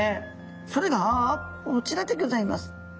それがこちらでギョざいます。